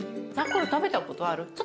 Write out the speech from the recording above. ざくろ食べたことある？